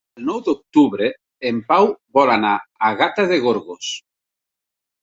El nou d'octubre en Pau vol anar a Gata de Gorgos.